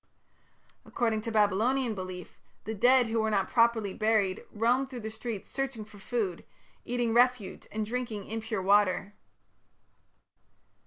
According to Babylonian belief, the dead who were not properly buried roamed through the streets searching for food, eating refuse and drinking impure water.